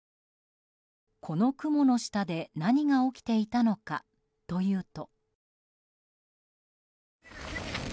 この雲の下で何が起きていたのかというと。